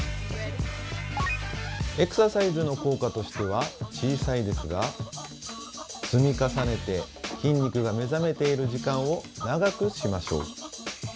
エクササイズの効果としては小さいですが積み重ねて筋肉が目覚めている時間を長くしましょう。